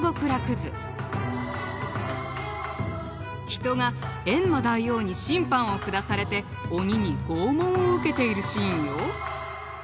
人がえんま大王に審判を下されて鬼に拷問を受けているシーンよ。